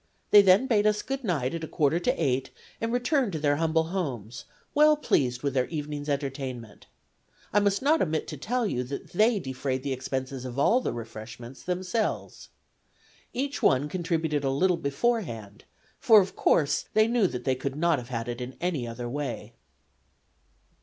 They then bade us good night at a quarter to 8, and returned to their humble homes, well pleased with their evening's entertainment. I must not omit to tell you that they defrayed the expense of all the refreshments themselves. Each one contributed a little beforehand, for, of course, they knew they could not have had it in any other way."